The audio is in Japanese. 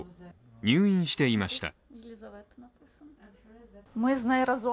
入院していました。